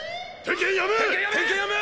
点検やめ。